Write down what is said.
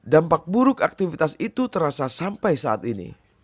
dampak buruk aktivitas itu terasa sampai saat ini